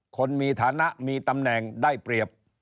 คนมีฐานะมีตำแหน่งได้เปรียบ